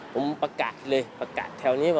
ผมประกาศเลยประกาศแถวนี้ว่า